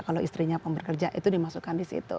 kalau istrinya pemberi kerja itu dimasukkan di situ